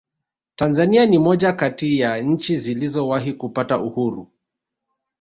tanzania ni moja kati ya nchi zilizowahi kupata uhuru